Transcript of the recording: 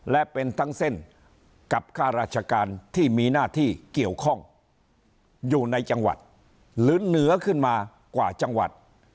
และเป็นทั้งเส้นกับค่าราชการที่มีหน้าที่เกี่ยวข้องอยู่ในจังหวัดหรือเหนือขึ้นมากว่าจังหวัด